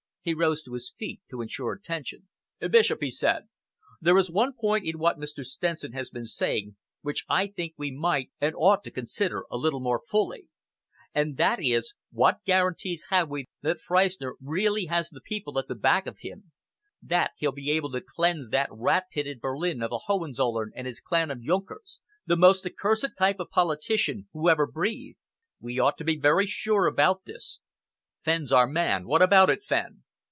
He rose to his feet to ensure attention. "Bishop," he said, "there is one point in what Mr. Stenson has been saying which I think we might and ought to consider a little more fully, and that is, what guarantees have we that Freistner really has the people at the back of him, that he'll be able to cleanse that rat pit at Berlin of the Hohenzollern and his clan of junkers the most accursed type of politician who ever breathed? We ought to be very sure about this. Fenn's our man. What about it, Fenn?"